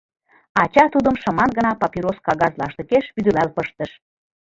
Ача тудым шыман гына папирос кагаз лаштыкеш вӱдылал пыштыш.